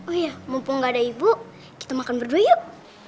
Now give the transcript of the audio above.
oh ya mumpung gak ada ibu kita makan berdua yuk